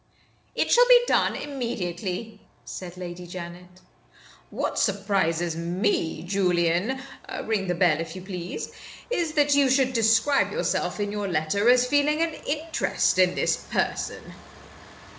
"It shall be done immediately," said Lady Janet. "What surprises me Julian (ring the bell, if you please), is that you should describe yourself in your letter as feeling an interest in this person."